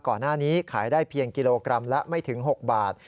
ก่อนหน้านี้ขายได้เพียงกิโลกรัมละไม่ถึง๖บาท